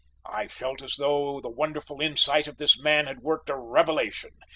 I felt as though the wonderful insight of this man had worked a revelation.